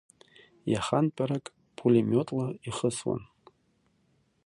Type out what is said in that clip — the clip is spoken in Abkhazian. Иахантәарак пулемиотла ихысуан.